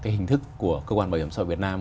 cái hình thức của cơ quan bảo hiểm xã hội việt nam